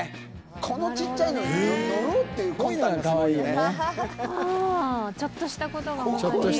このちっちゃいのに乗ろうっていう魂胆がすごいよね。